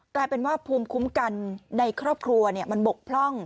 กลายเป็นว่าภูมิคุ้มกันในครอบครัวมันบกพร่อง